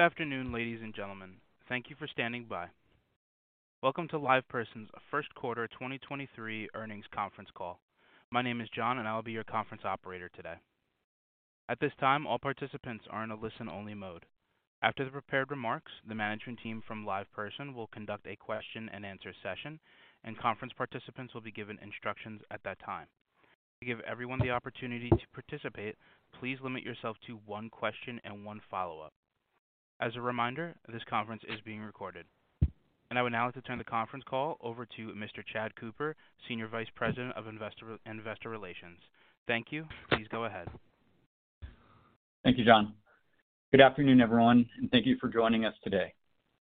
Good afternoon, ladies and gentlemen. Thank you for standing by. Welcome to LivePerson's first quarter 2023 earnings conference call. My name is John and I'll be your conference operator today. At this time, all participants are in a listen only mode. After the prepared remarks, the management team from LivePerson will conduct a question and answer session, and conference participants will be given instructions at that time. To give everyone the opportunity to participate, please limit yourself to one question and one follow-up. As a reminder, this conference is being recorded. I would now like to turn the conference call over to Mr. Chad Cooper, Senior Vice President of Investor Relations. Thank you. Please go ahead. Thank you, John. Good afternoon, everyone, and thank you for joining us today.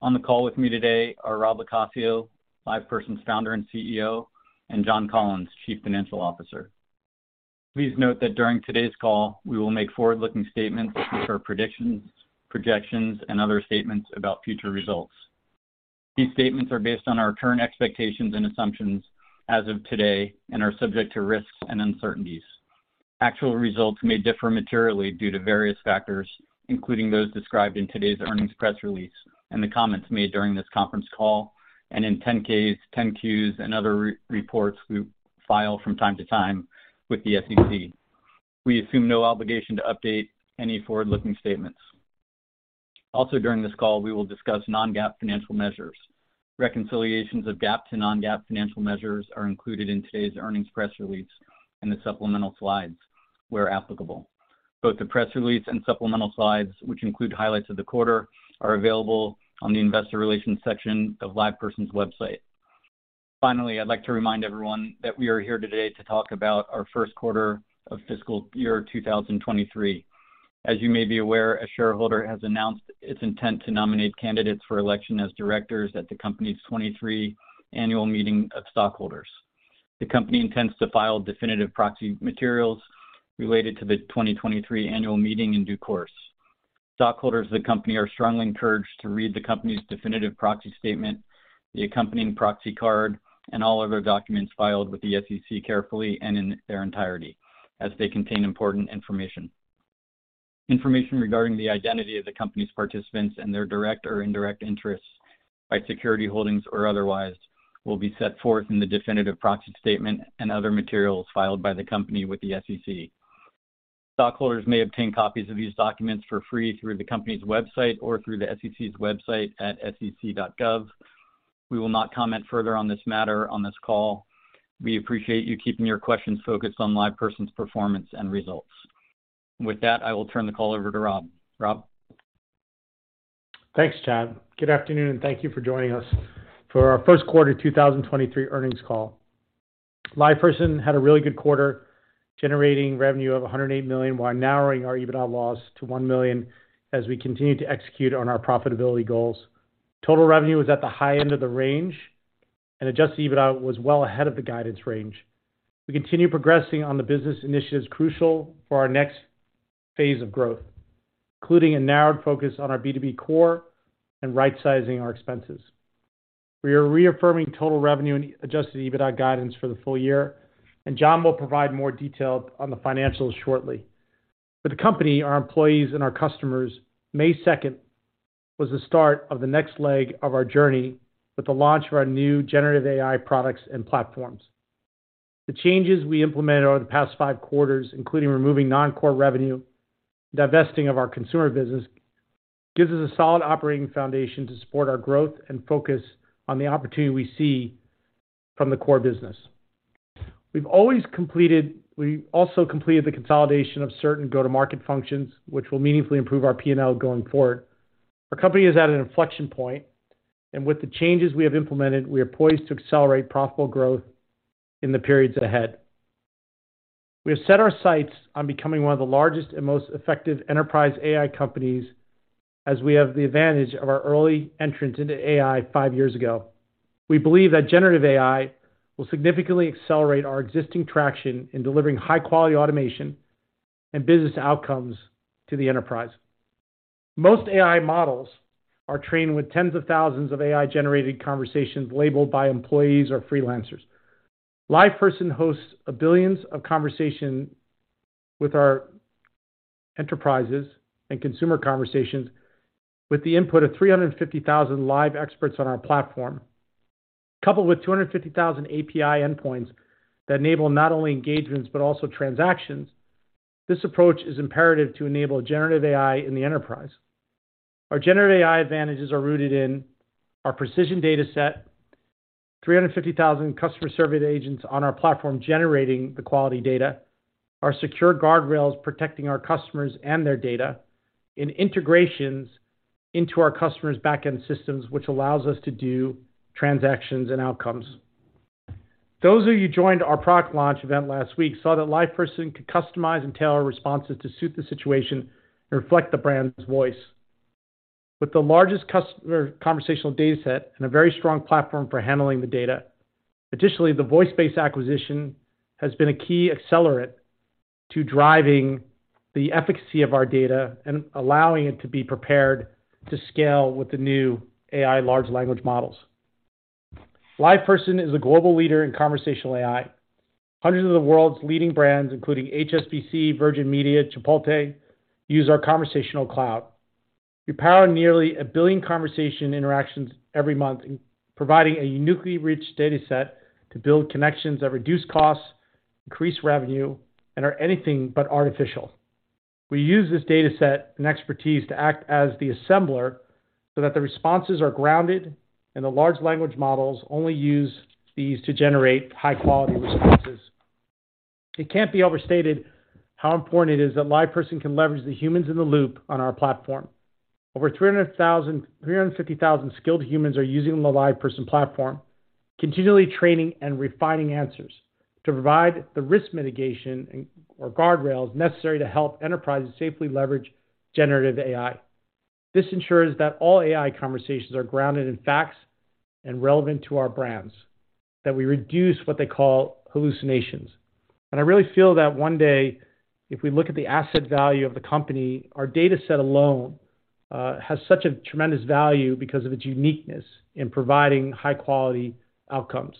On the call with me today are Rob LoCascio, LivePerson's Founder and CEO, and John Collins, Chief Financial Officer. Please note that during today's call, we will make forward-looking statements, which are predictions, projections, and other statements about future results. These statements are based on our current expectations and assumptions as of today and are subject to risks and uncertainties. Actual results may differ materially due to various factors, including those described in today's earnings press release and the comments made during this conference call and in 10-Ks, 10-Qs, and other re-reports we file from time to time with the SEC. We assume no obligation to update any forward-looking statements. Also, during this call, we will discuss non-GAAP financial measures. Reconciliations of GAAP to non-GAAP financial measures are included in today's earnings press release and the supplemental slides where applicable. Both the press release and supplemental slides, which include highlights of the quarter, are available on the investor relations section of LivePerson's website. I'd like to remind everyone that we are here today to talk about our first quarter of fiscal year 2023. As you may be aware, a shareholder has announced its intent to nominate candidates for election as directors at the company's 2023 Annual Meeting of Stockholders. The company intends to file definitive proxy materials related to the 2023 annual meeting in due course. Stockholders of the company are strongly encouraged to read the company's definitive proxy statement, the accompanying proxy card, and all other documents filed with the SEC carefully and in their entirety as they contain important information. Information regarding the identity of the company's participants and their direct or indirect interests by security holdings or otherwise will be set forth in the definitive proxy statement and other materials filed by the company with the SEC. Stockholders may obtain copies of these documents for free through the company's website or through the SEC's website at sec.gov. We will not comment further on this matter on this call. We appreciate you keeping your questions focused on LivePerson's performance and results. With that, I will turn the call over to Rob. Rob. Thanks, Chad. Good afternoon, and thank you for joining us for our first quarter 2023 earnings call. LivePerson had a really good quarter, generating revenue of $108 million while narrowing our EBITDA loss to $1 million as we continue to execute on our profitability goals. Total revenue was at the high end of the range, and adjusted EBITDA was well ahead of the guidance range. We continue progressing on the business initiatives crucial for our next phase of growth, including a narrowed focus on our B2B core and rightsizing our expenses. We are reaffirming total revenue and adjusted EBITDA guidance for the full-year, and John will provide more detail on the financials shortly. For the company, our employees and our customers, May second was the start of the next leg of our journey with the launch of our new generative AI products and platforms. The changes we implemented over the past five quarters, including removing non-core revenue, divesting of our consumer business, gives us a solid operating foundation to support our growth and focus on the opportunity we see from the core business. We've also completed the consolidation of certain go-to-market functions, which will meaningfully improve our P&L going forward. Our company is at an inflection point. With the changes we have implemented, we are poised to accelerate profitable growth in the periods ahead. We have set our sights on becoming one of the largest and most effective enterprise AI companies as we have the advantage of our early entrance into AI five years ago. We believe that generative AI will significantly accelerate our existing traction in delivering high quality automation and business outcomes to the enterprise. Most AI models are trained with tens of thousands of AI-generated conversations labeled by employees or freelancers. LivePerson hosts billions of conversation with our enterprises and consumer conversations with the input of 350,000 live experts on our platform. Coupled with 250,000 API endpoints that enable not only engagements but also transactions, this approach is imperative to enable generative AI in the enterprise. Our generative AI advantages are rooted in our precision data set, 350,000 customer service agents on our platform generating the quality data, our secure guardrails protecting our customers and their data, and integrations into our customers' back-end systems, which allows us to do transactions and outcomes. Those of you who joined our product launch event last week saw that LivePerson could customize and tailor responses to suit the situation and reflect the brand's voice. With the largest customer conversational data set and a very strong platform for handling the data. Additionally, the voice-based acquisition has been a key accelerant to driving the efficacy of our data and allowing it to be prepared to scale with the new AI large language models. LivePerson is a global leader in conversational AI. Hundreds of the world's leading brands, including HSBC, Virgin Media, Chipotle, use our Conversational Cloud. We power nearly one billion conversation interactions every month, providing a uniquely rich data set to build connections that reduce costs, increase revenue, and are anything but artificial. We use this data set and expertise to act as the assembler so that the responses are grounded and the large language models only use these to generate high quality responses. It can't be overstated how important it is that LivePerson can leverage the humans in the loop on our platform. Over 300,000-350,000 skilled humans are using the LivePerson platform, continually training and refining answers to provide the risk mitigation or guardrails necessary to help enterprises safely leverage generative AI. This ensures that all AI conversations are grounded in facts and relevant to our brands, that we reduce what they call hallucinations. I really feel that one day, if we look at the asset value of the company, our data set alone has such a tremendous value because of its uniqueness in providing high quality outcomes.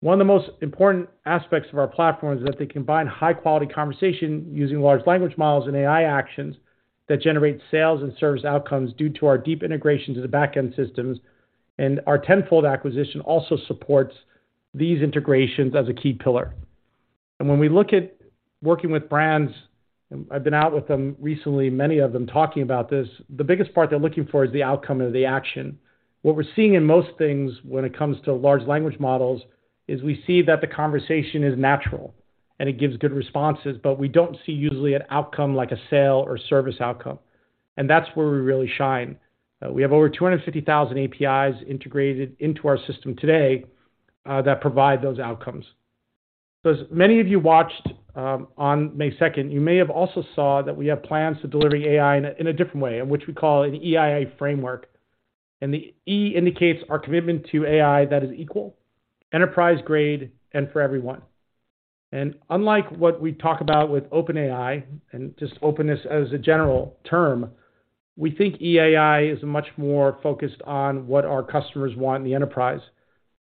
One of the most important aspects of our platform is that they combine high quality conversation using large language models and AI actions that generate sales and service outcomes due to our deep integration to the back-end systems. Our Tenfold acquisition also supports these integrations as a key pillar. When we look at working with brands, I've been out with them recently, many of them talking about this. The biggest part they're looking for is the outcome or the action. What we're seeing in most things when it comes to large language models is we see that the conversation is natural and it gives good responses, but we don't see usually an outcome like a sale or service outcome. That's where we really shine. We have over 250,000 APIs integrated into our system today that provide those outcomes. As many of you watched on May second, you may have also saw that we have plans to deliver AI in a different way, in which we call an EAI framework. The E indicates our commitment to AI that is equal, enterprise grade, and for everyone. Unlike what we talk about with OpenAI, and just openness as a general term, we think EAI is much more focused on what our customers want in the enterprise.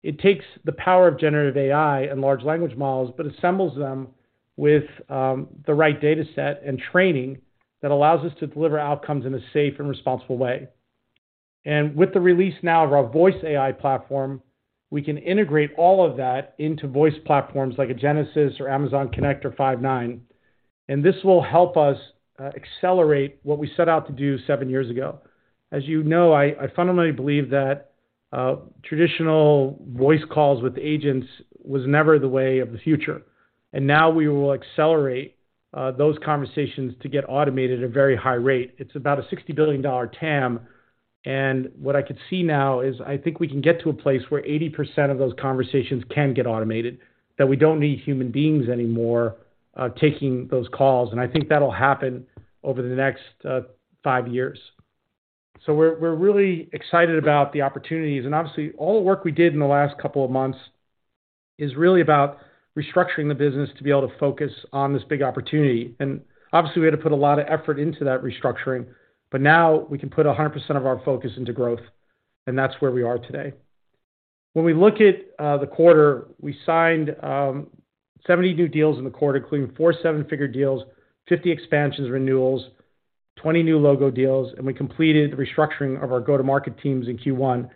It takes the power of generative AI and large language models, but assembles them with the right data set and training that allows us to deliver outcomes in a safe and responsible way. With the release now of our Voice AI platform, we can integrate all of that into voice platforms like a Genesys or Amazon Connect or Five9. This will help us accelerate what we set out to do seven years ago. As you know, I fundamentally believe that traditional voice calls with agents was never the way of the future. Now we will accelerate those conversations to get automated at a very high rate. It's about a $60 billion TAM. What I could see now is I think we can get to a place where 80% of those conversations can get automated, that we don't need human beings anymore, taking those calls. I think that'll happen over the next five years. We're really excited about the opportunities. Obviously, all the work we did in the last couple of months is really about restructuring the business to be able to focus on this big opportunity. Obviously, we had to put a lot of effort into that restructuring, but now we can put 100% of our focus into growth, and that's where we are today. When we look at the quarter, we signed 70 new deals in the quarter, including four 7-figure deals, 50 expansions renewals, 20 new logo deals, and we completed the restructuring of our go-to-market teams in Q1.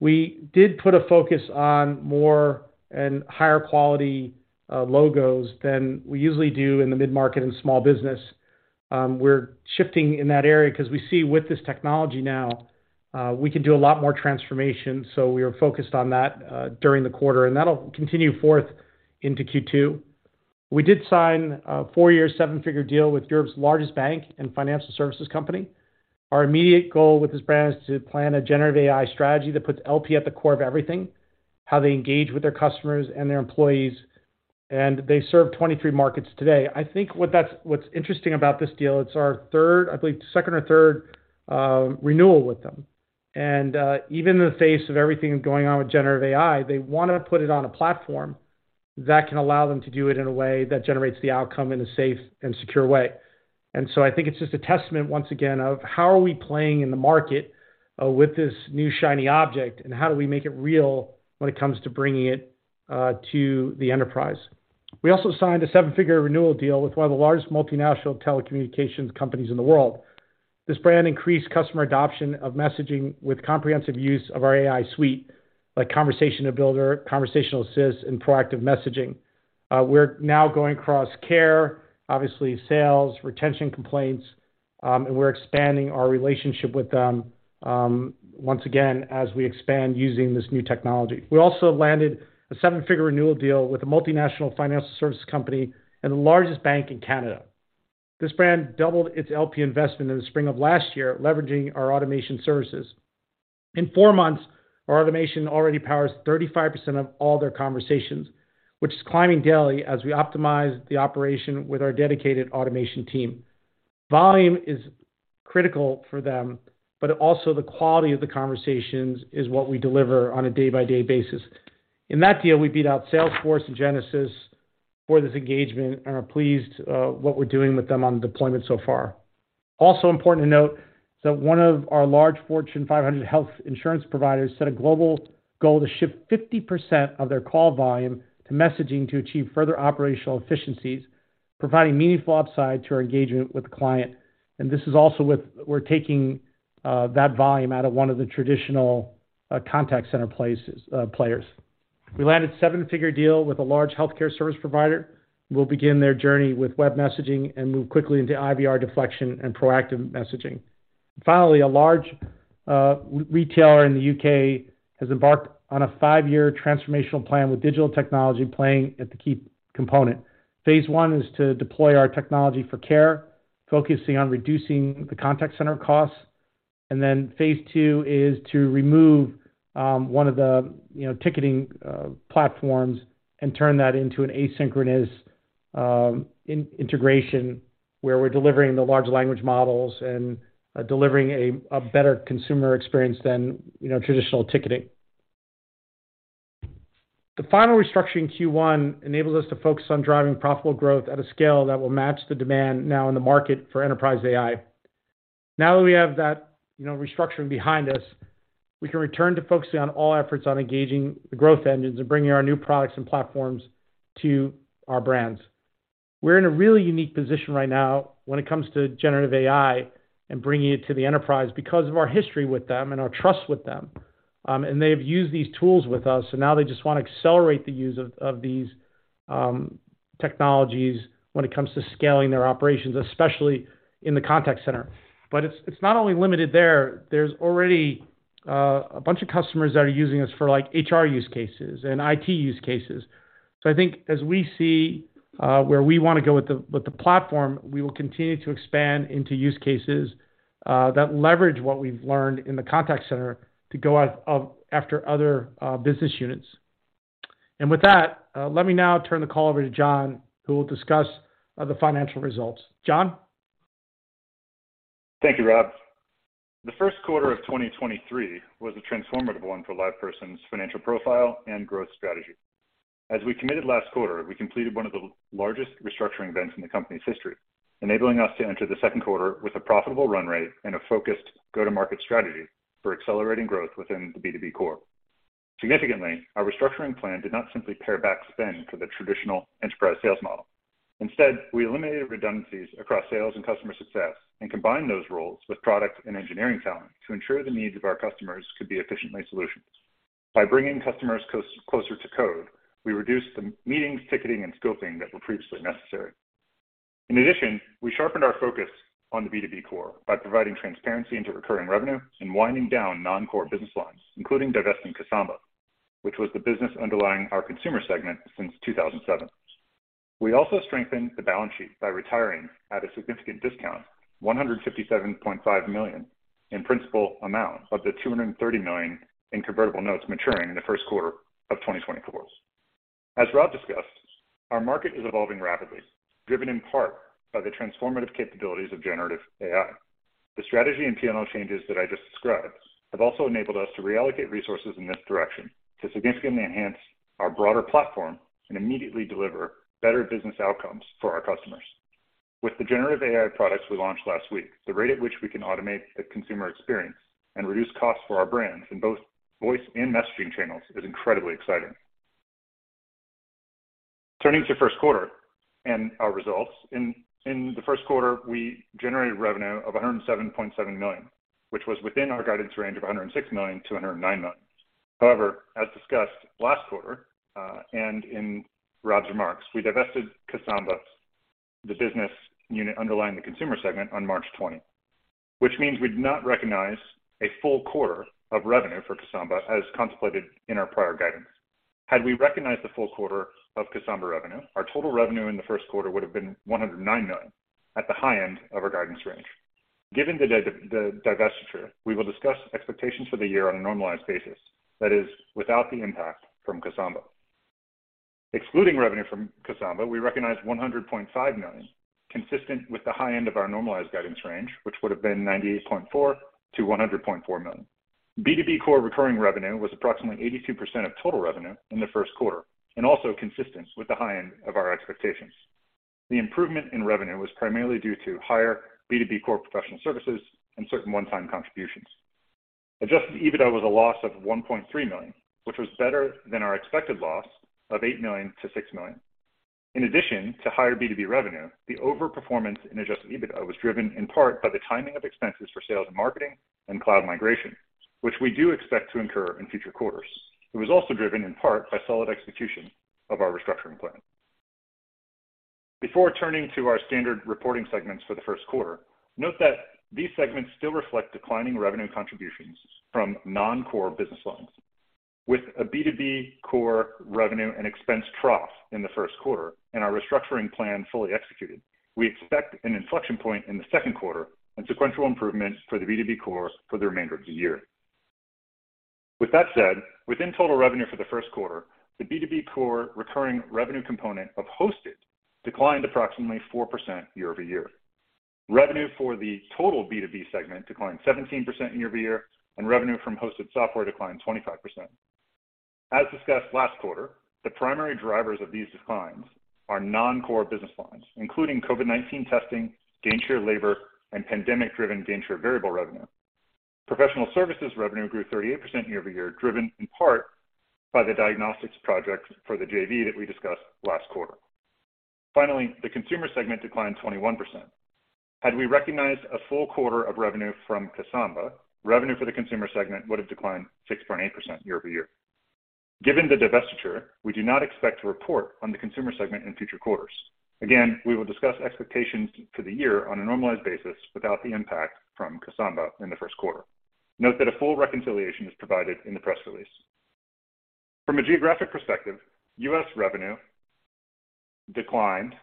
We did put a focus on more and higher quality logos than we usually do in the mid-market and small business. We're shifting in that area 'cause we see with this technology now, we can do a lot more transformation. We are focused on that during the quarter, and that'll continue forth into Q2. We did sign a four-year 7-figure deal with Europe's largest bank and financial services company. Our immediate goal with this brand is to plan a generative AI strategy that puts LP at the core of everything, how they engage with their customers and their employees. They serve 23 markets today. I think what's interesting about this deal, it's our third, I believe, second or third renewal with them. Even in the face of everything going on with generative AI, they wanna put it on a platform that can allow them to do it in a way that generates the outcome in a safe and secure way. I think it's just a testament, once again, of how are we playing in the market with this new shiny object, and how do we make it real when it comes to bringing it to the enterprise. We also signed a s-figure renewal deal with one of the largest multinational telecommunications companies in the world. This brand increased customer adoption of messaging with comprehensive use of our AI suite, like Conversation Builder, Conversation Assist, and Proactive Messaging. We're now going across care, obviously sales, retention complaints, and we're expanding our relationship with them, once again, as we expand using this new technology. We also landed a 7-figure renewal deal with a multinational financial service company and the largest bank in Canada. This brand doubled its LP investment in the spring of last year, leveraging our automation services. In four months, our automation already powers 35% of all their conversations, which is climbing daily as we optimize the operation with our dedicated automation team. Volume is critical for them, but also the quality of the conversations is what we deliver on a day-by-day basis. In that deal, we beat out Salesforce and Genesys for this engagement and are pleased what we're doing with them on deployment so far. Important to note that one of our large Fortune 500 health insurance providers set a global goal to shift 50% of their call volume to messaging to achieve further operational efficiencies, providing meaningful upside to our engagement with the client. This is also with. We're taking that volume out of one of the traditional contact center players. We landed a 7-figure deal with a large healthcare service provider, will begin their journey with web messaging and move quickly into IVR deflection and Proactive Messaging. A large, retailer in the U.K. has embarked on a five-year transformational plan, with digital technology playing a key component. Phase 1 is to deploy our technology for care, focusing on reducing the contact center costs. Then Phase 2 is to remove, one of the, you know, ticketing, platforms and turn that into an asynchronous, in-integration where we're delivering the large language models and delivering a better consumer experience than, you know, traditional ticketing. The final restructuring in Q1 enables us to focus on driving profitable growth at a scale that will match the demand now in the market for enterprise AI. Now that we have that, you know, restructuring behind us, we can return to focusing on all efforts on engaging the growth engines and bringing our new products and platforms to our brands. We're in a really unique position right now when it comes to generative AI and bringing it to the enterprise because of our history with them and our trust with them. They've used these tools with us, so now they just want to accelerate the use of these technologies when it comes to scaling their operations, especially in the contact center. It's not only limited there. There's already a bunch of customers that are using us for, like, HR use cases and IT use cases. I think as we see, where we wanna go with the platform, we will continue to expand into use cases that leverage what we've learned in the contact center to go after other business units. With that, let me now turn the call over to John, who will discuss the financial results. John? Thank you, Rob. The 1st quarter of 2023 was a transformative one for LivePerson's financial profile and growth strategy. As we committed last quarter, we completed one of the largest restructuring events in the company's history, enabling us to enter the 2nd quarter with a profitable run rate and a focused go-to-market strategy for accelerating growth within the B2B core. Significantly, our restructuring plan did not simply pare back spend for the traditional enterprise sales model. Instead, we eliminated redundancies across sales and customer success and combined those roles with product and engineering talent to ensure the needs of our customers could be efficiently solutioned. By bringing customers close, closer to code, we reduced the meetings, ticketing, and scoping that were previously necessary. We sharpened our focus on the B2B core by providing transparency into recurring revenue and winding down non-core business lines, including divesting Kasamba, which was the business underlying our consumer segment since 2007. We also strengthened the balance sheet by retiring at a significant discount, $157.5 million in principal amount of the $230 million in convertible notes maturing in the first quarter of 2024. As Rob discussed, our market is evolving rapidly, driven in part by the transformative capabilities of generative AI. The strategy and P&L changes that I just described have also enabled us to reallocate resources in this direction to significantly enhance our broader platform and immediately deliver better business outcomes for our customers. With the generative AI products we launched last week, the rate at which we can automate the consumer experience and reduce costs for our brands in both voice and messaging channels is incredibly exciting. Turning to first quarter and our results. In the first quarter, we generated revenue of $107.7 million, which was within our guidance range of $106 million-$109 million. However, as discussed last quarter, and in Rob's remarks, we divested Kasamba, the business unit underlying the consumer segment, on March twenty, which means we'd not recognize a full quarter of revenue for Kasamba as contemplated in our prior guidance. Had we recognized the full quarter of Kasamba revenue, our total revenue in the first quarter would have been $109 million, at the high end of our guidance range. Given the divestiture, we will discuss expectations for the year on a normalized basis, that is, without the impact from Kasamba. Excluding revenue from Kasamba, we recognized $100.5 million, consistent with the high end of our normalized guidance range, which would have been $98.4 million-$100.4 million. B2B core recurring revenue was approximately 82% of total revenue in the first quarter and also consistent with the high end of our expectations. The improvement in revenue was primarily due to higher B2B core professional services and certain one-time contributions. Adjusted EBITDA was a loss of $1.3 million, which was better than our expected loss of $8 million-$6 million. In addition to higher B2B revenue, the overperformance in adjusted EBITDA was driven in part by the timing of expenses for sales and marketing and cloud migration, which we do expect to incur in future quarters. It was also driven in part by solid execution of our restructuring plan. Before turning to our standard reporting segments for the first quarter, note that these segments still reflect declining revenue contributions from non-core business lines. With a B2B core revenue and expense trough in the first quarter and our restructuring plan fully executed, we expect an inflection point in the second quarter and sequential improvements for the B2B core for the remainder of the year. With that said, within total revenue for the first quarter, the B2B core recurring revenue component of hosted declined approximately 4% year-over-year. Revenue for the total B2B segment declined 17% year-over-year, revenue from hosted software declined 25%. As discussed last quarter, the primary drivers of these declines are non-core business lines, including COVID-19 testing, gainshare labor, and pandemic-driven gainshare variable revenue. Professional services revenue grew 38% year-over-year, driven in part by the diagnostics project for the JV that we discussed last quarter. The consumer segment declined 21%. Had we recognized a full quarter of revenue from Kasamba, revenue for the consumer segment would have declined 6.8% year-over-year. Given the divestiture, we do not expect to report on the consumer segment in future quarters. Again, we will discuss expectations for the year on a normalized basis without the impact from Kasamba in the first quarter. Note that a full reconciliation is provided in the press release. From a geographic perspective, U.S. revenue declined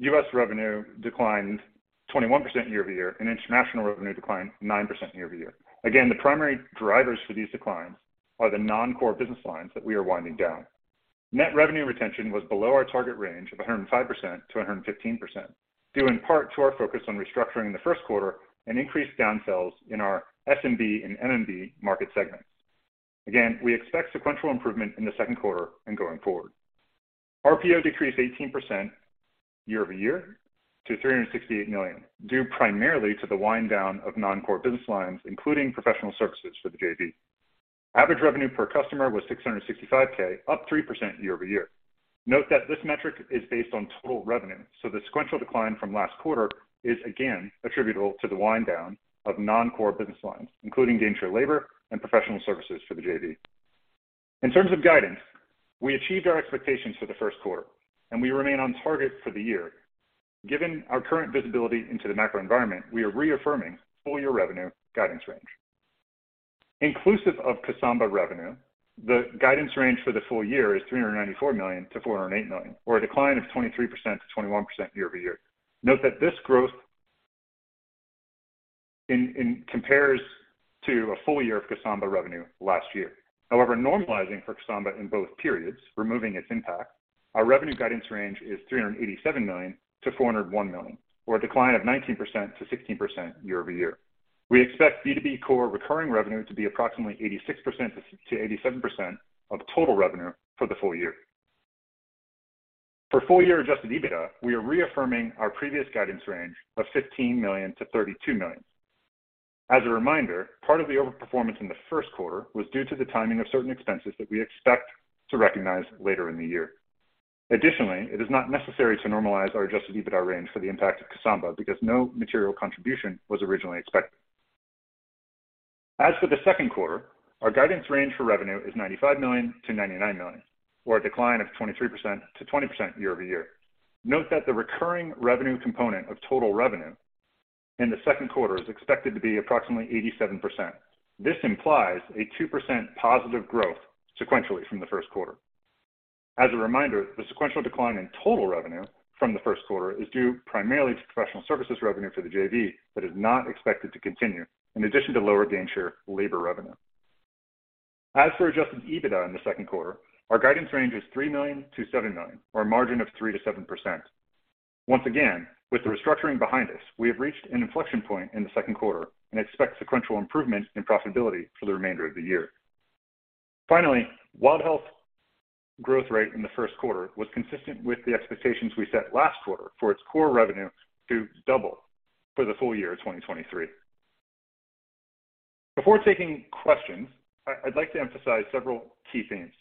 21% year-over-year, and international revenue declined 9% year-over-year. Again, the primary drivers for these declines are the non-core business lines that we are winding down. Net revenue retention was below our target range of 105%-115%, due in part to our focus on restructuring the first quarter and increased downsells in our SMB and MMB market segments. Again, we expect sequential improvement in the second quarter and going forward. RPO decreased 18% year-over-year to $368 million, due primarily to the wind down of non-core business lines, including professional services for the JV. Average revenue per customer was $665,000, up 3% year-over-year. Note that this metric is based on total revenue, so the sequential decline from last quarter is again attributable to the wind down of non-core business lines, including Gainshare labor and professional services for the JV. In terms of guidance, we achieved our expectations for the first quarter and we remain on target for the year. Given our current visibility into the macro environment, we are reaffirming full-year revenue guidance range. Inclusive of Kasamba revenue, the guidance range for the full-year is $394 million-$408 million, or a decline of 23%-21% year-over-year. Note that this growth compares to a full-year of Kasamba revenue last year. Normalizing for Kasamba in both periods, removing its impact, our revenue guidance range is $387 million-$401 million, or a decline of 19%-16% year-over-year. We expect B2B core recurring revenue to be approximately 86%-87% of total revenue for the full-year. For full-year adjusted EBITDA, we are reaffirming our previous guidance range of $15 million-$32 million. As a reminder, part of the overperformance in the first quarter was due to the timing of certain expenses that we expect to recognize later in the year. It is not necessary to normalize our Adjusted EBITDA range for the impact of Kasamba because no material contribution was originally expected. As for the second quarter, our guidance range for revenue is $95 million-$99 million, or a decline of 23%-20% year-over-year. Note that the recurring revenue component of total revenue in the second quarter is expected to be approximately 87%. This implies a 2% positive growth sequentially from the first quarter. As a reminder, the sequential decline in total revenue from the first quarter is due primarily to professional services revenue for the JV that is not expected to continue, in addition to lower Gainshare labor revenue. As for adjusted EBITDA in the second quarter, our guidance range is $3 million-$7 million, or a margin of 3%-7%. Once again, with the restructuring behind us, we have reached an inflection point in the second quarter and expect sequential improvement in profitability for the remainder of the year. Wild Health growth rate in the first quarter was consistent with the expectations we set last quarter for its core revenue to double for the full-year of 2023. Before taking questions, I'd like to emphasize several key themes.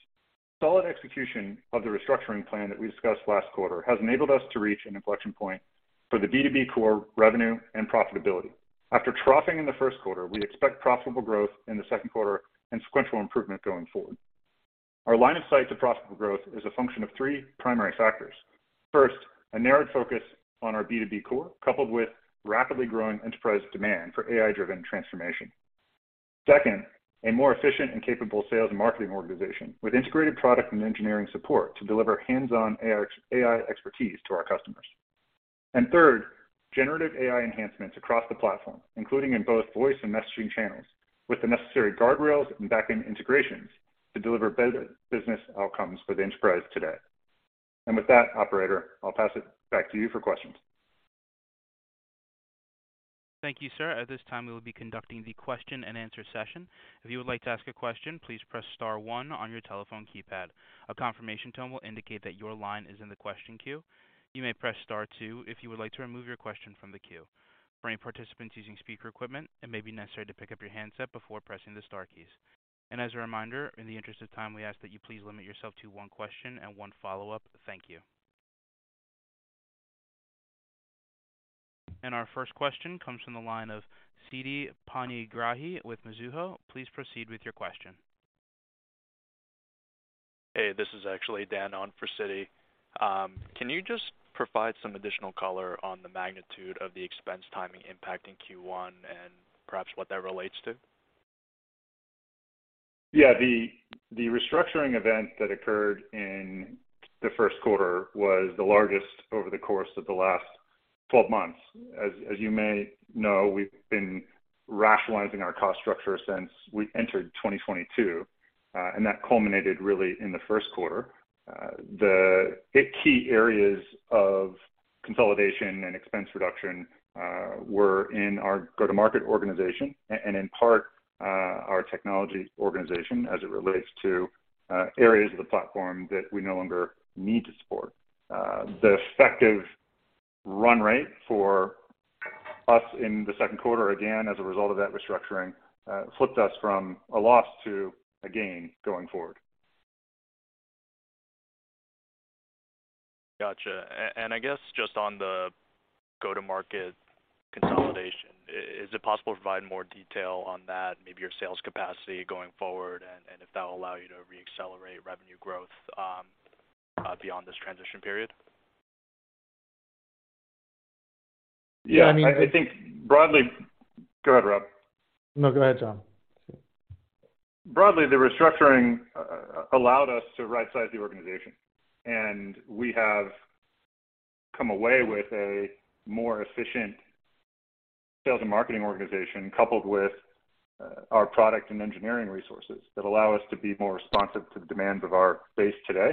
Solid execution of the restructuring plan that we discussed last quarter has enabled us to reach an inflection point for the B2B core revenue and profitability. After troughing in the first quarter, we expect profitable growth in the second quarter and sequential improvement going forward. Our line of sight to profitable growth is a function of three primary factors. First, a narrowed focus on our B2B core, coupled with rapidly growing enterprise demand for AI-driven transformation. Second, a more efficient and capable sales and marketing organization with integrated product and engineering support to deliver hands-on AI expertise to our customers. Third, generative AI enhancements across the platform, including in both voice and messaging channels, with the necessary guardrails and back-end integrations to deliver better business outcomes for the enterprise today. With that, operator, I'll pass it back to you for questions. Thank you, sir. At this time, we will be conducting the question and answer session. If you would like to ask a question, please press star one on your telephone keypad. A confirmation tone will indicate that your line is in the question queue. You may press star two if you would like to remove your question from the queue. For participants using speaker equipment, it may be necessary to pick up your handset before pressing the star keys. As a reminder, in the interest of time, we ask that you please limit yourself to one question and one follow-up. Thank you. Our first question comes from the line of Siti Panigrahi with Mizuho. Please proceed with your question. Hey, this is actually Dan on for Siti. Can you just provide some additional color on the magnitude of the expense timing impact in Q1 and perhaps what that relates to? The restructuring event that occurred in the first quarter was the largest over the course of the last 12 months. As you may know, we've been rationalizing our cost structure since we entered 2022, and that culminated really in the first quarter. The key areas of consolidation and expense reduction were in our go-to-market organization and in part, our technology organization as it relates to areas of the platform that we no longer need to support. The effective run rate for us in the second quarter, again, as a result of that restructuring, flipped us from a loss to a gain going forward. Gotcha. I guess just on the go-to-market consolidation, is it possible to provide more detail on that, maybe your sales capacity going forward, and if that will allow you to re-accelerate revenue growth beyond this transition period? Yeah. I think broadly... Go ahead, Rob. No, go ahead, John. Broadly, the restructuring allowed us to right-size the organization, and we have come away with a more efficient sales and marketing organization coupled with our product and engineering resources that allow us to be more responsive to the demands of our base today.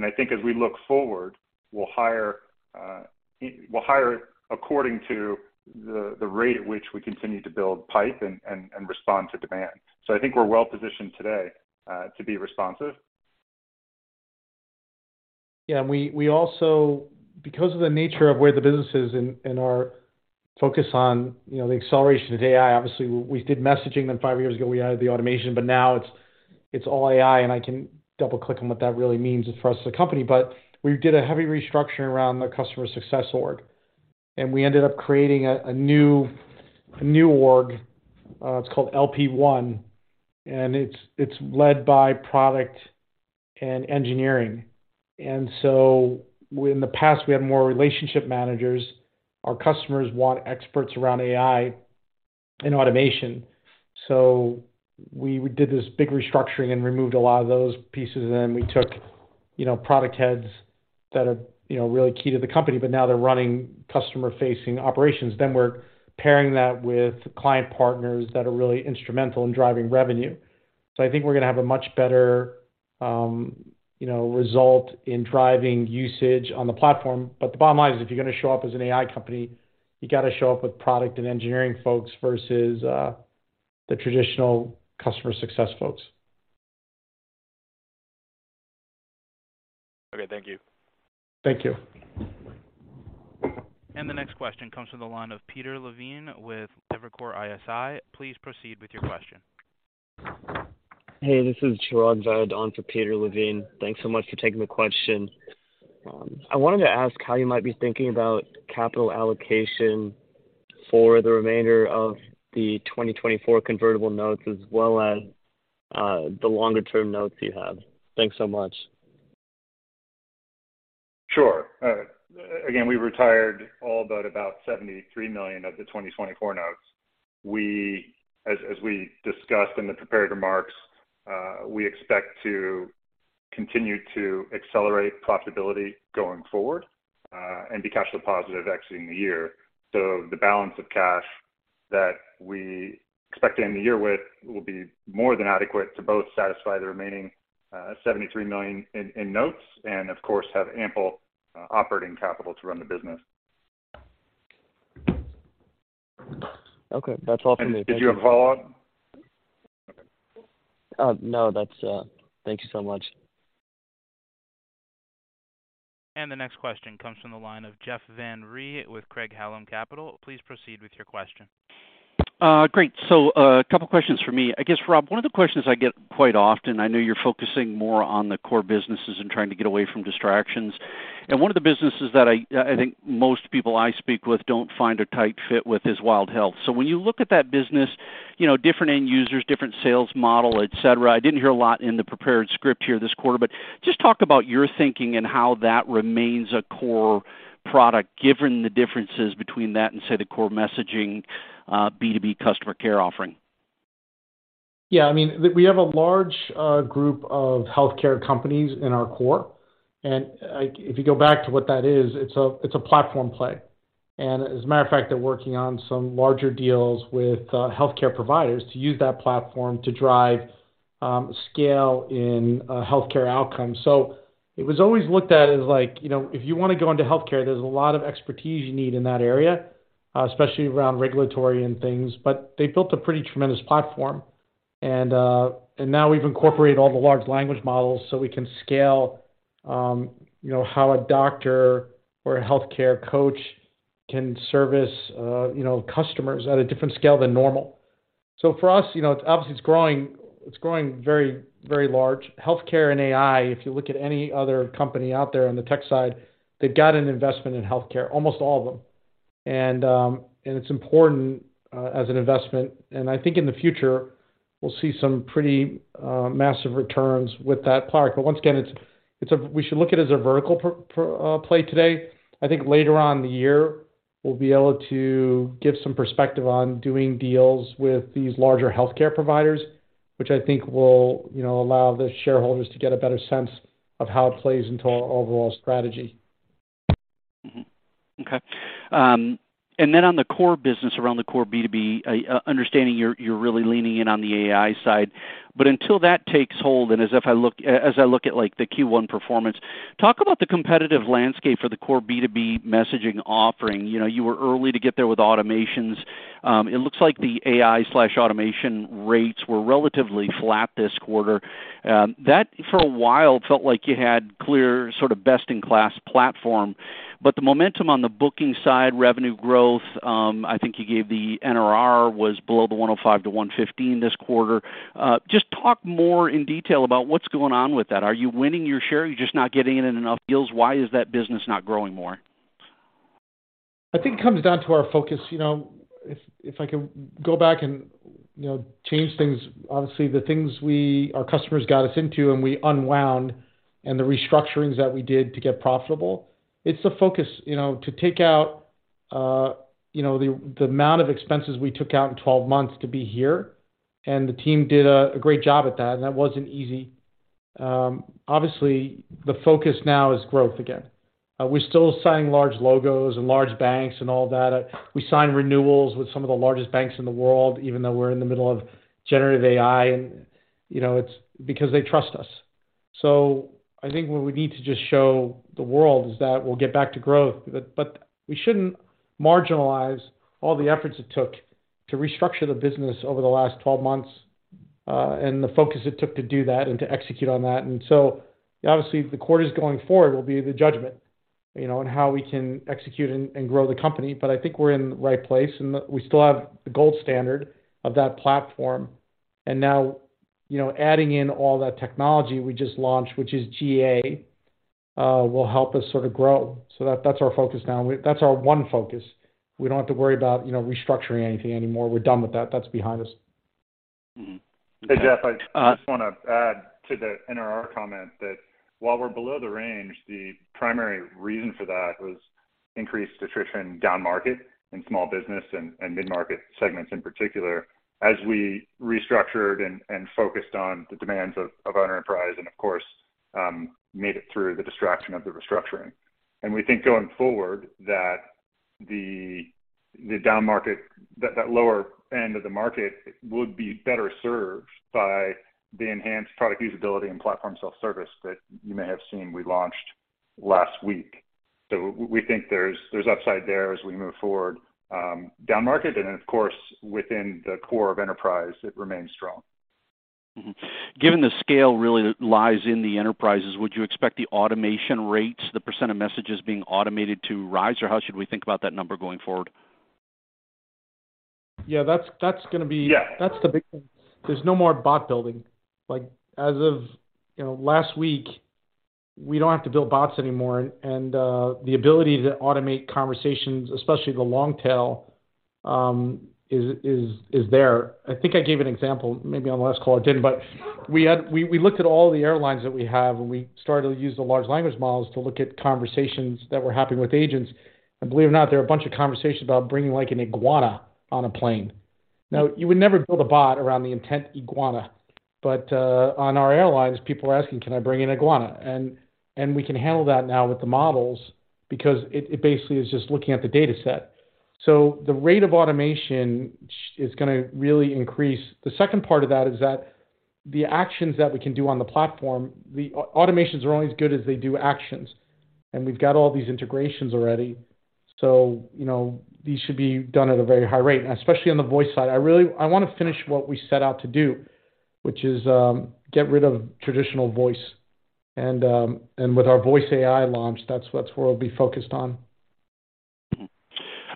I think as we look forward, we'll hire, we'll hire according to the rate at which we continue to build pipe and respond to demand. I think we're well positioned today to be responsive. Yeah. We also, because of the nature of where the business is and our focus on, you know, the acceleration of AI, obviously we did messaging then five years ago, we added the automation, but now it's all AI, and I can double-click on what that really means for us as a company. We did a heavy restructuring around the customer success org, and we ended up creating a new org. It's called LP One, and it's led by product and engineering. In the past, we had more relationship managers. Our customers want experts around AI and automation. We did this big restructuring and removed a lot of those pieces, and then we took, you know, product heads that are, you know, really key to the company, but now they're running customer-facing operations. We're pairing that with client partners that are really instrumental in driving revenue. I think we're gonna have a much better, you know, result in driving usage on the platform. The bottom line is, if you're gonna show up as an AI company, you got to show up with product and engineering folks versus the traditional customer success folks. Okay. Thank you. Thank you. The next question comes from the line of Peter Levine with Evercore ISI. Please proceed with your question. Hey, this is Chirag Ved on for Peter Levine. Thanks so much for taking the question. I wanted to ask how you might be thinking about capital allocation for the remainder of the 2024 convertible notes as well as the longer-term notes you have. Thanks so much. Sure. Again, we retired all but about $73 million of the 2024 notes. As we discussed in the prepared remarks, we expect to continue to accelerate profitability going forward, and be cash flow positive exiting the year. The balance of cash that we expect to end the year with will be more than adequate to both satisfy the remaining, $73 million in notes and of course, have ample operating capital to run the business. Okay. That's all from me. Thank you. Did you have a follow-up? No. That's. Thank you so much. The next question comes from the line of Jeff Van Rhee with Craig-Hallum Capital. Please proceed with your question. Great. A couple questions for me. I guess, Rob, one of the questions I get quite often, I know you're focusing more on the core businesses and trying to get away from distractions, and one of the businesses that I think most people I speak with don't find a tight fit with is Wild Health. When you look at that business, you know, different end users, different sales model, et cetera. I didn't hear a lot in the prepared script here this quarter, but just talk about your thinking and how that remains a core product, given the differences between that and say, the core messaging, B2B customer care offering. Yeah. I mean, we have a large group of healthcare companies in our core. If you go back to what that is, it's a platform play. As a matter of fact, they're working on some larger deals with healthcare providers to use that platform to drive scale in healthcare outcomes. It was always looked at as like, you know, if you want to go into healthcare, there's a lot of expertise you need in that area, especially around regulatory and things. They built a pretty tremendous platform. Now we've incorporated all the large language models so we can scale, you know, how a doctor or a healthcare coach can service, you know, customers at a different scale than normal. For us, you know, obviously it's growing, it's growing very, very large. Healthcare and AI, if you look at any other company out there on the tech side, they've got an investment in healthcare, almost all of them. It's important, as an investment, and I think in the future, we'll see some pretty, massive returns with that product. Once again, We should look at it as a vertical play today. I think later on in the year we'll be able to give some perspective on doing deals with these larger healthcare providers. Which I think will, you know, allow the shareholders to get a better sense of how it plays into our overall strategy. Okay. On the core business around the core B2B, understanding you're really leaning in on the AI side. Until that takes hold, and as I look at like the Q1 performance, talk about the competitive landscape for the core B2B messaging offering. You know, you were early to get there with automations. It looks like the AI/automation rates were relatively flat this quarter. That for a while felt like you had clear sort of best in class platform. The momentum on the booking side, revenue growth, I think you gave the NRR was below the 105-115 this quarter. Just talk more in detail about what's going on with that. Are you winning your share? Are you just not getting it in enough deals? Why is that business not growing more? I think it comes down to our focus. You know, if I can go back and, you know, change things, obviously the things our customers got us into and we unwound and the restructurings that we did to get profitable, it's the focus, you know, to take out, you know, the amount of expenses we took out in 12 months to be here, and the team did a great job at that, and that wasn't easy. Obviously the focus now is growth again. We're still signing large logos and large banks and all that. We sign renewals with some of the largest banks in the world, even though we're in the middle of generative AI and, you know, it's because they trust us. I think what we need to just show the world is that we'll get back to growth. We shouldn't marginalize all the efforts it took to restructure the business over the last 12 months and the focus it took to do that and to execute on that. Obviously the quarters going forward will be the judgment, you know, on how we can execute and grow the company. I think we're in the right place, and we still have the gold standard of that platform. Now, you know, adding in all that technology we just launched, which is GA, will help us sort of grow. That's our focus now. That's our one focus. We don't have to worry about, you know, restructuring anything anymore. We're done with that. That's behind us. Hey, Jeff, I just wanna add to the NRR comment that while we're below the range, the primary reason for that was increased attrition down-market in small business and mid-market segments in particular. As we restructured and focused on the demands of enterprise and of course, made it through the distraction of the restructuring. We think going forward that the down market, that lower end of the market would be better served by the enhanced product usability and platform self-service that you may have seen we launched last week. We think there's upside there as we move forward down market and of course, within the core of enterprise, it remains strong. Mm-hmm. Given the scale really lies in the enterprises, would you expect the automation rates, the percent of messages being automated to rise, or how should we think about that number going forward? Yeah, that's. Yeah. That's the big thing. There's no more bot building. Like, as of, you know, last week, we don't have to build bots anymore. The ability to automate conversations, especially the long tail, is there. I think I gave an example maybe on the last call. I didn't, but we looked at all the airlines that we have, and we started to use the large language models to look at conversations that were happening with agents. Believe it or not, there are a bunch of conversations about bringing like an iguana on a plane. Now, you would never build a bot around the intent iguana, but on our airlines, people are asking, "Can I bring an iguana?" And we can handle that now with the models because it basically is just looking at the data set. The rate of automation is gonna really increase. The second part of that is that the actions that we can do on the platform, the automations are only as good as they do actions, and we've got all these integrations already, so, you know, these should be done at a very high rate, especially on the voice side. I wanna finish what we set out to do, which is get rid of traditional voice. With our Voice AI launch, that's what we'll be focused on.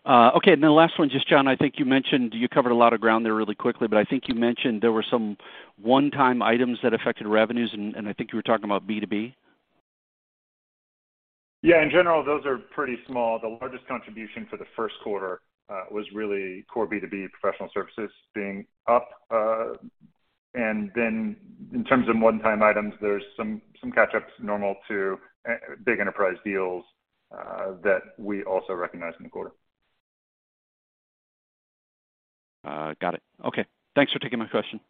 Okay, the last one, just John, I think you mentioned you covered a lot of ground there really quickly, but I think you mentioned there were some one-time items that affected revenues, and I think you were talking about B2B. In general, those are pretty small. The largest contribution for the first quarter was really core B2B professional services being up. In terms of one-time items, there's some catch-ups normal to big enterprise deals that we also recognized in the quarter. Got it. Okay. Thanks for taking my question.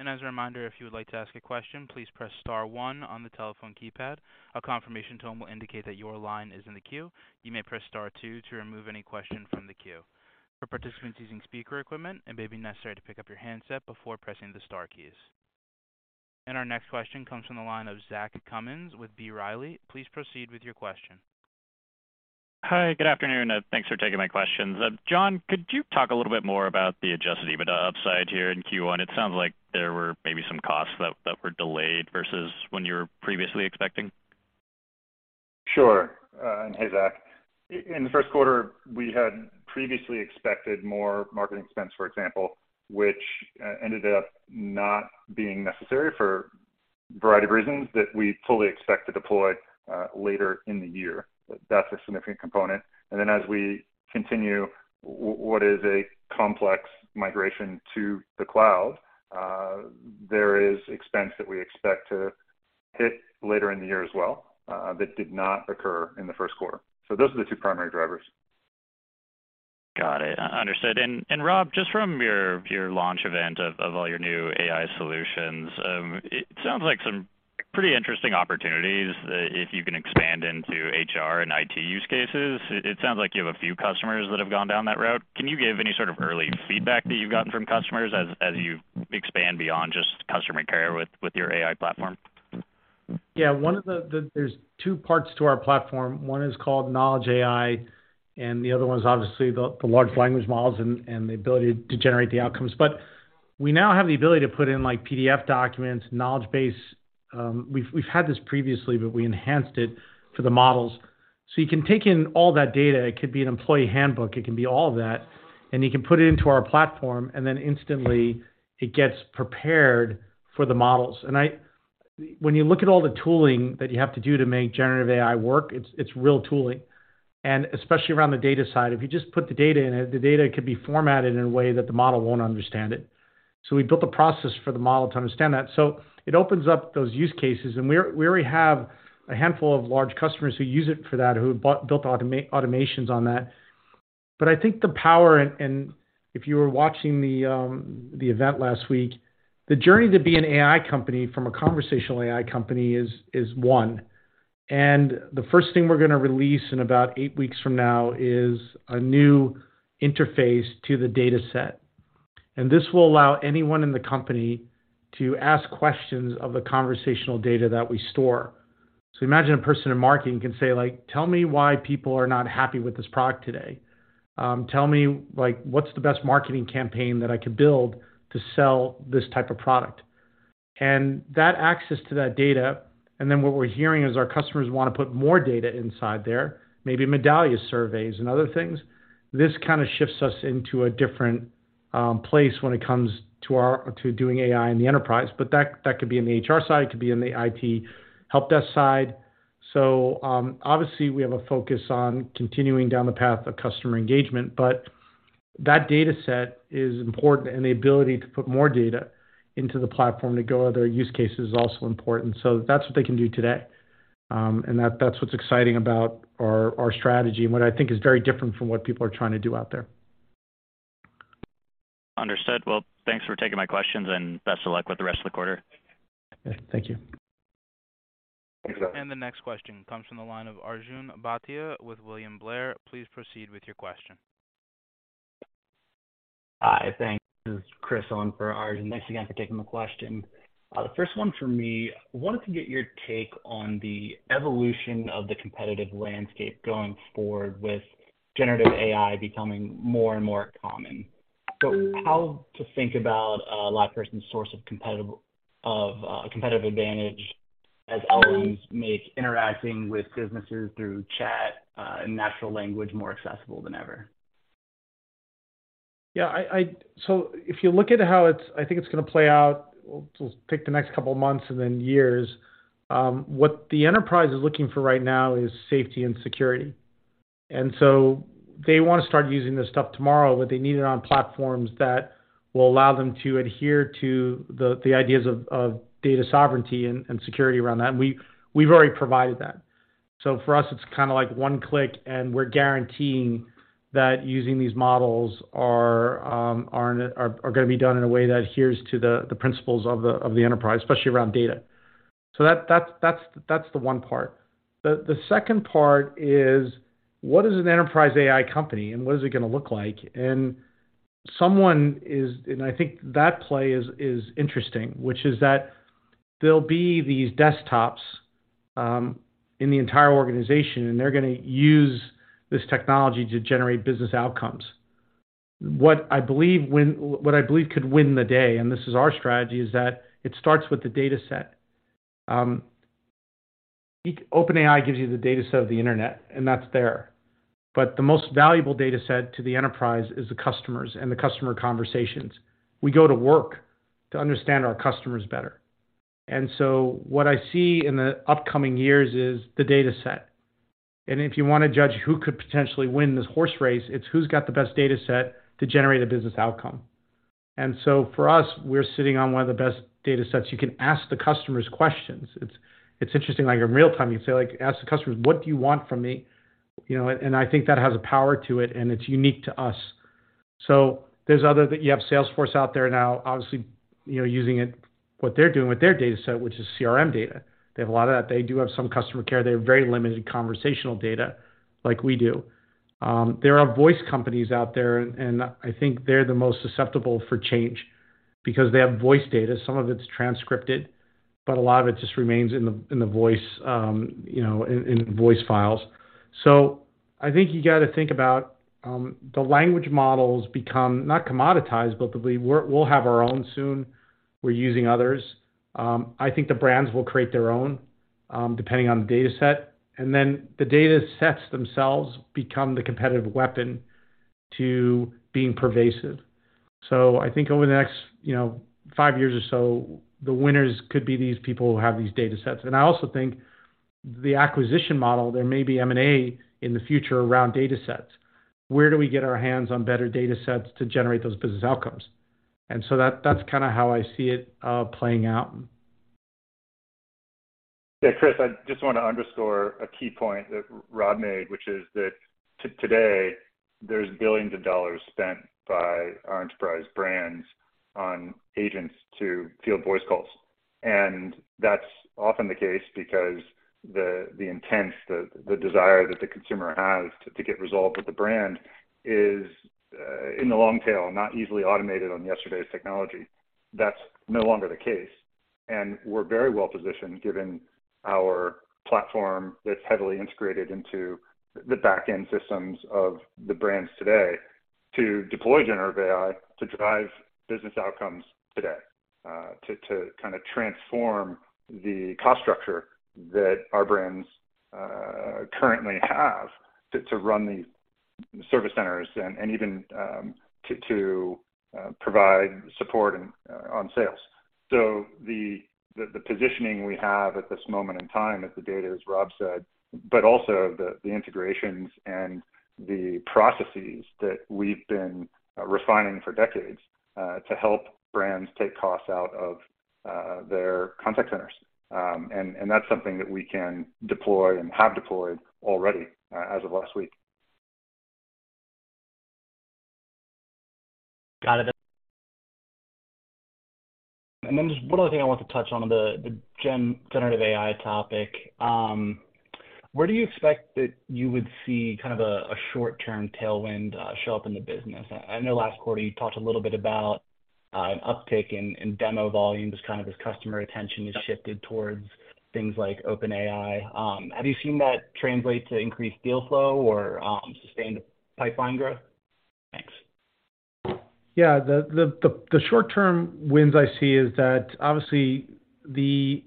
As a reminder, if you would like to ask a question, please press star one on the telephone keypad. A confirmation tone will indicate that your line is in the queue. You may press star two to remove any question from the queue. For participants using speaker equipment, it may be necessary to pick up your handset before pressing the star keys. Our next question comes from the line of Zach Cummins with B. Riley. Please proceed with your question. Hi, good afternoon, thanks for taking my questions. John, could you talk a little bit more about the adjusted EBITDA upside here in Q1? It sounds like there were maybe some costs that were delayed versus when you were previously expecting. Sure, hey, Zach. In the first quarter, we had previously expected more marketing expense, for example, which ended up not being necessary for a variety of reasons that we fully expect to deploy later in the year. That's a significant component. Then as we continue what is a complex migration to the cloud, there is expense that we expect to hit later in the year as well, that did not occur in the first quarter. Those are the two primary drivers. Got it. Understood. Rob, just from your launch event of all your new AI solutions, it sounds like some pretty interesting opportunities, if you can expand into HR and IT use cases. It sounds like you have a few customers that have gone down that route. Can you give any sort of early feedback that you've gotten from customers as you expand beyond just customer care with your AI platform? Yeah. One of the There's two parts to our platform. One is called KnowledgeAI, the other one is obviously the large language models and the ability to generate the outcomes. We now have the ability to put in, like, PDF documents, knowledge base. We've had this previously, we enhanced it for the models. You can take in all that data. It could be an employee handbook, it can be all of that, you can put it into our platform, instantly it gets prepared for the models. When you look at all the tooling that you have to do to make generative AI work, it's real tooling, especially around the data side. If you just put the data in it, the data could be formatted in a way that the model won't understand it. We built a process for the model to understand that. It opens up those use cases, and we already have a handful of large customers who use it for that, who built automations on that. I think the power, and if you were watching the event last week, the journey to be an AI company from a conversational AI company is one. The first thing we're gonna release in about eight weeks from now is a new interface to the data set. This will allow anyone in the company to ask questions of the conversational data that we store. Imagine a person in marketing can say, like, "Tell me why people are not happy with this product today." "Tell me, like, what's the best marketing campaign that I could build to sell this type of product?" That access to that data, and then what we're hearing is our customers wanna put more data inside there, maybe Medallia surveys and other things. This kinda shifts us into a different place when it comes to our to doing AI in the enterprise. That, that could be in the HR side, it could be in the IT helpdesk side. Obviously, we have a focus on continuing down the path of customer engagement, but that data set is important, and the ability to put more data into the platform to grow other use cases is also important. That's what they can do today. That's what's exciting about our strategy and what I think is very different from what people are trying to do out there. Understood. Well, thanks for taking my questions, and best of luck with the rest of the quarter. Thank you. The next question comes from the line of Arjun Bhatia with William Blair. Please proceed with your question. Hi. Thanks. This is Chris on for Arjun. Thanks again for taking the question. The first one for me, I wanted to get your take on the evolution of the competitive landscape going forward with generative AI becoming more and more common. How to think about LivePerson's source of competitive advantage as LLMs make interacting with businesses through chat and natural language more accessible than ever. Yeah. If you look at how I think it's gonna play out, we'll take the next couple of months and then years. What the enterprise is looking for right now is safety and security. They wanna start using this stuff tomorrow, but they need it on platforms that will allow them to adhere to the ideas of data sovereignty and security around that. We've already provided that. For us, it's kinda like one click, and we're guaranteeing that using these models are gonna be done in a way that adheres to the principles of the enterprise, especially around data. That's the one part. The second part is what is an enterprise AI company and what is it gonna look like? I think that play is interesting, which is that there'll be these desktops in the entire organization, and they're gonna use this technology to generate business outcomes. What I believe could win the day, this is our strategy, is that it starts with the data set. OpenAI gives you the data set of the Internet, that's there. The most valuable data set to the enterprise is the customers and the customer conversations. We go to work to understand our customers better. What I see in the upcoming years is the data set. If you wanna judge who could potentially win this horse race, it's who's got the best data set to generate a business outcome. For us, we're sitting on one of the best data sets. You can ask the customers questions. It's interesting, like in real-time, you can say, like, ask the customers, "What do you want from me?" You know, and I think that has a power to it, and it's unique to us. There's other. You have Salesforce out there now, obviously, you know, using it, what they're doing with their data set, which is CRM data. They have a lot of that. They do have some customer care. They have very limited conversational data like we do. There are voice companies out there, and I think they're the most susceptible for change because they have voice data. Some of it's transcripted, but a lot of it just remains in the voice, you know, in voice files. I think you gotta think about, the large language models become not commoditized, but I believe we'll have our own soon. We're using others. I think the brands will create their own, depending on the data set, and then the data sets themselves become the competitive weapon to being pervasive. I think over the next, you know, five years or so, the winners could be these people who have these data sets. I also think the acquisition model, there may be M&A in the future around data sets. Where do we get our hands on better data sets to generate those business outcomes? That's kinda how I see it playing out. Yeah, Chris, I just wanna underscore a key point that Rob made, which is that today there's billions of dollars spent by our enterprise brands on agents to field voice calls. That's often the case because the intent, the desire that the consumer has to get resolved with the brand is in the long tail, not easily automated on yesterday's technology. That's no longer the case, and we're very well-positioned given our platform that's heavily integrated into the back-end systems of the brands today to deploy generative AI to drive business outcomes today, to kinda transform the cost structure that our brands currently have to run these service centers and even, to provide support and on sales. The positioning we have at this moment in time is the data, as Rob said, but also the integrations and the processes that we've been refining for decades to help brands take costs out of their contact centers. That's something that we can deploy and have deployed already as of last week. Got it. Just one other thing I wanted to touch on, the generative AI topic. Where do you expect that you would see kind of a short-term tailwind show up in the business? I know last quarter you talked a little bit about an uptick in demo volumes kind of as customer attention has shifted towards things like OpenAI. Have you seen that translate to increased deal flow or sustained pipeline growth? Thanks. Yeah. The short-term wins I see is that obviously the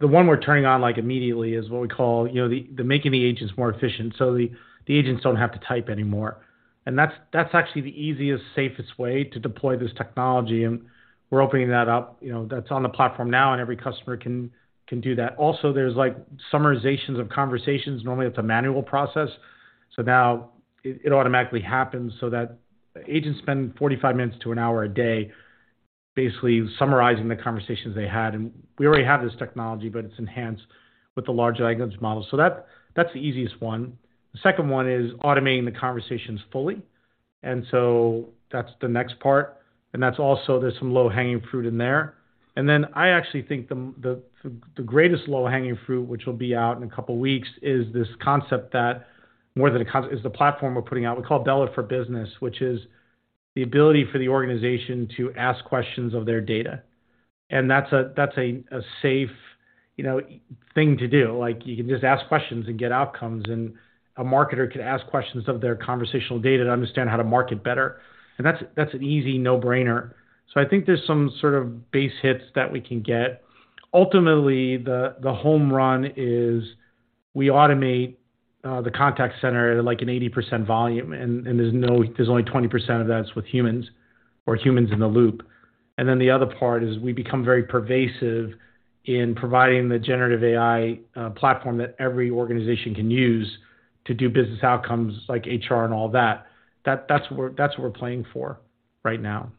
one we're turning on, like, immediately is what we call, you know, making the agents more efficient so the agents don't have to type anymore. That's actually the easiest, safest way to deploy this technology, and we're opening that up. You know, that's on the platform now, and every customer can do that. Also, there's like summarizations of conversations. Normally that's a manual process, so now it automatically happens so that agents spend 45 minutes to one hour a day basically summarizing the conversations they had. We already have this technology, but it's enhanced with the large language model. That's the easiest one. The second one is automating the conversations fully, that's the next part. That's also, there's some low-hanging fruit in there. Then I actually think the greatest low-hanging fruit, which will be out in a couple weeks, is this concept that more than a is the platform we're putting out, we call Bella for Business, which is the ability for the organization to ask questions of their data. That's a, that's a safe, you know, thing to do. Like, you can just ask questions and get outcomes, and a marketer could ask questions of their conversational data to understand how to market better. That's, that's an easy no-brainer. I think there's some sort of base hits that we can get. Ultimately, the home run is we automate the contact center at, like, an 80% volume, and there's only 20% of that's with humans or humans in the loop. Then the other part is we become very pervasive in providing the generative AI platform that every organization can use to do business outcomes like HR and all that. That's what we're playing for right now.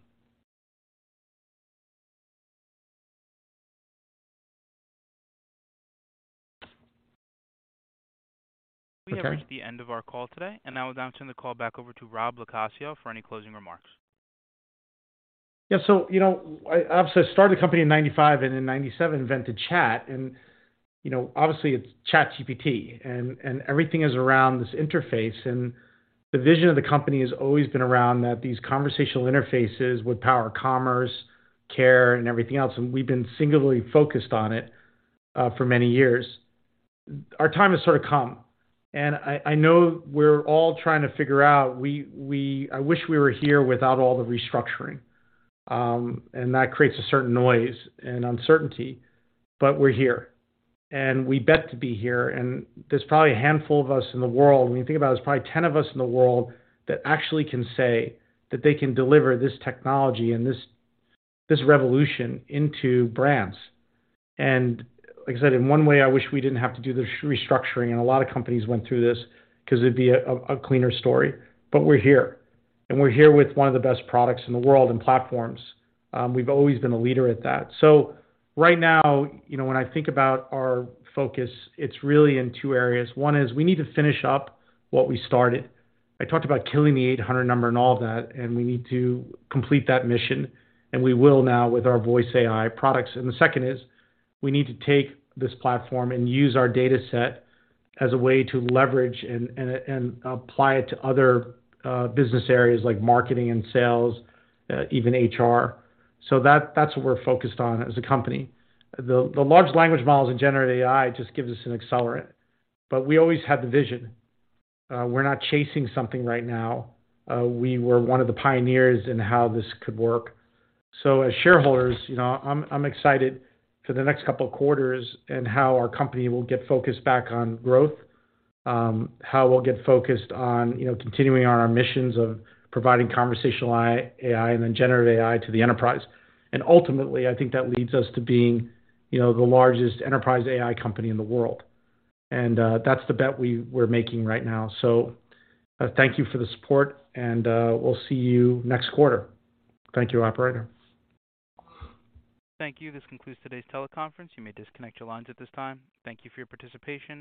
We have reached the end of our call today, I'll now turn the call back over to Rob LoCascio for any closing remarks. Yeah. You know, I, obviously I started the company in 1995 and in 1997 invented chat and, you know, obviously it's ChatGPT, and everything is around this interface. The vision of the company has always been around that these conversational interfaces would power commerce, care, and everything else, and we've been singularly focused on it for many years. Our time has sort of come, and I know we're all trying to figure out we I wish we were here without all the restructuring. That creates a certain noise and uncertainty. We're here, and we bet to be here, and there's probably a handful of us in the world, when you think about it, there's probably 10 of us in the world that actually can say that they can deliver this technology and this revolution into brands. Like I said, in one way, I wish we didn't have to do the restructuring, and a lot of companies went through this, 'cause it'd be a cleaner story, but we're here. We're here with one of the best products in the world and platforms. We've always been a leader at that. Right now, you know, when I think about our focus, it's really in two areas. One is we need to finish up what we started. I talked about killing the 800 number and all of that, and we need to complete that mission, and we will now with our Voice AI products. The second is we need to take this platform and use our data set as a way to leverage and apply it to other business areas like marketing and sales, even HR. That's what we're focused on as a company. The large language models and generative AI just gives us an accelerant, but we always had the vision. We're not chasing something right now. We were one of the pioneers in how this could work. As shareholders, you know, I'm excited for the next couple quarters and how our company will get focused back on growth, how we'll get focused on, you know, continuing our missions of providing conversational AI and then generative AI to the enterprise. Ultimately, I think that leads us to being, you know, the largest enterprise AI company in the world. That's the bet we're making right now. Thank you for the support and we'll see you next quarter. Thank you, operator. Thank you. This concludes today's teleconference. You may disconnect your lines at this time. Thank you for your participation.